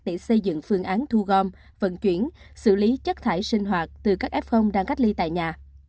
để xây dựng phương án thu gom vận chuyển xử lý chất thải sinh hoạt từ các f đang cách ly tại nhà